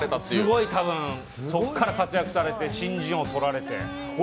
すごいそこから活躍されて、新人王取られて。